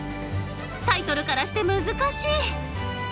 タイトルからして難しい！